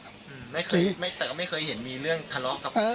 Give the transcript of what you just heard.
แต่ก็ไม่เคยเห็นมีเรื่องทะเลาะกับเขา